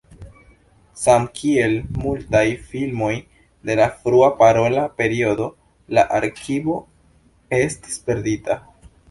Samkiel multaj filmoj de la frua parola periodo, la arkivo estis perdita.